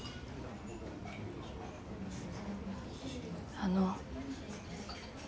あの。